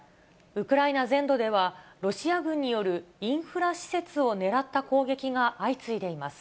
ウクライナ全土では、ロシア軍によるインフラ施設を狙った攻撃が相次いでいます。